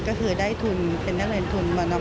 ก็คือได้ทุนเป็นนักเรียนทุนบรรณาขอ